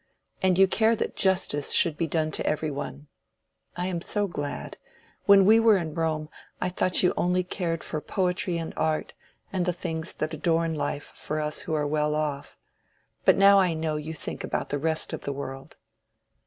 And you care that justice should be done to every one. I am so glad. When we were in Rome, I thought you only cared for poetry and art, and the things that adorn life for us who are well off. But now I know you think about the rest of the world."